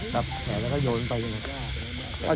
ดับแผ่นแล้วก็โยนไป